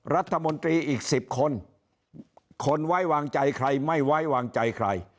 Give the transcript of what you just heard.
รัฐมนตรีอีก๑๐คนคนไว้วางใจใครไม่ไว้วางใจใคร